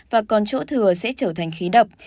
và còn chỗ thừa sẽ trở thành khí độc